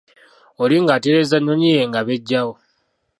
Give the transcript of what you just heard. Oli ng'atereeza nnyonyi ye nga beggyawo.